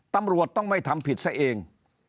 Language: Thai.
ตำรวจต้องไม่ทำผิดซะเอง